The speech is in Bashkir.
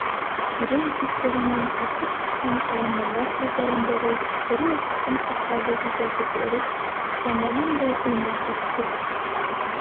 Ирен ситтәренән һарҡып сыҡҡан шаян нурҙар күҙҙәрендәге тере осҡонсоҡтарҙы сәсрәтеп өрөп тоҡандырғандай уйнатып үтте.